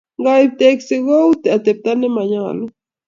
Ngaib teksi kou atepto ne ma nyallu